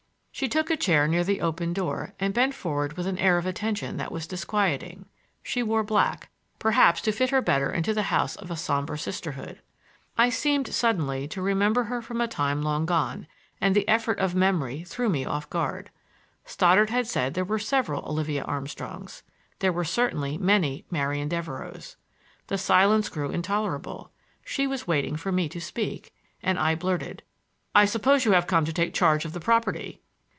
She took a chair near the open door and bent forward with an air of attention that was disquieting. She wore black—perhaps to fit her the better into the house of a somber Sisterhood. I seemed suddenly to remember her from a time long gone, and the effort of memory threw me off guard. Stoddard had said there were several Olivia Armstrongs; there were certainly many Marian Devereuxs. The silence grew intolerable; she was waiting for me to speak, and I blurted: "I suppose you have come to take charge of the property."